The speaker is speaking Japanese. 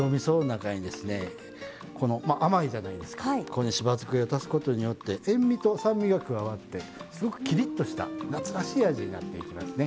ここにしば漬けを足すことによって塩味と酸味が加わってすごくキリッとした夏らしい味になっていきますね。